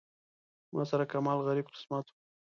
ما سره کمال غریب قسمت و.